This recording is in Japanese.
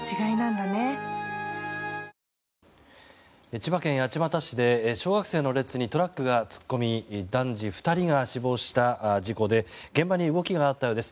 千葉県八街市で小学生の列にトラックが突っ込み男児２人が死亡した事故で現場に動きがあったようです。